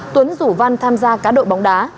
tuấn rủ văn tham gia cá độ bóng đá